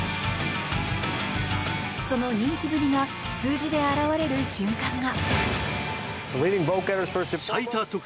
その人気ぶりが数字で表れる瞬間が。